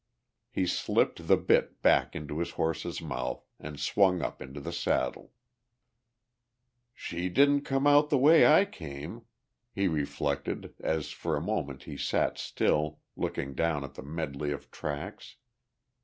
He slipped the bit back into his horse's mouth and swung up into the saddle. "She didn't come out the way I came," he reflected as for a moment he sat still, looking down at the medley of tracks.